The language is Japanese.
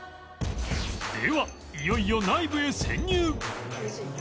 ではいよいよ内部へ潜入！